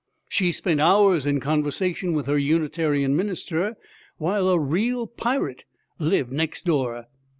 She spent hours in conversation with her Unitarian minister, while a real pirate lived next door!